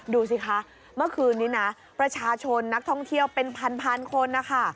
ดูสิคะเมื่อคืนนี้นะประชาชนนักท่องเที่ยวเป็นพันคนนะคะ